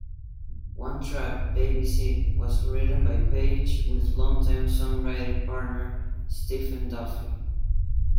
One track, "Baby Seat", was written by Page with longtime songwriting partner, Stephen Duffy.